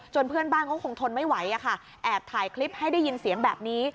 เพื่อนบ้านเขาคงทนไม่ไหวอะค่ะแอบถ่ายคลิปให้ได้ยินเสียงแบบนี้